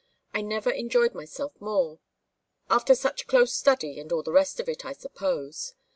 I never enjoyed myself more after such close study, and all the rest of it, I suppose.